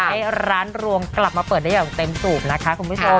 ให้ร้านรวงกลับมาเปิดได้อย่างเต็มสูบนะคะคุณผู้ชม